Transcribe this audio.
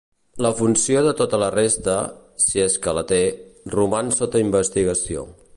La funció de tota la resta, si és que la té, roman sota investigació.